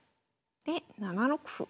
で７六歩。